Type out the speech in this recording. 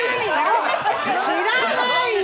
知らないの！